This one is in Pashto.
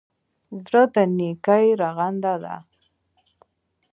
زړه د نېکۍ رغنده ده.